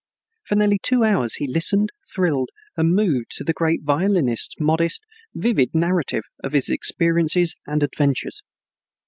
For nearly two hours he listened, thrilled and moved, to the great violinist's modest, vivid narrative of his experiences and adventures.